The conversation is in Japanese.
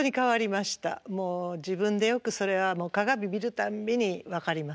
もう自分でよくそれはもう鏡見るたんびに分かります。